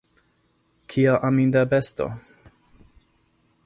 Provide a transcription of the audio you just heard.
Kiel aminda besto!